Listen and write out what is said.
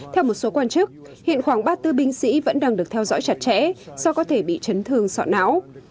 theo một số quan chức hiện khoảng ba bốn binh sĩ vẫn đang được theo dõi chặt chẽ do có thể bị chấn thương sọ não